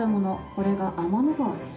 これが天の川です」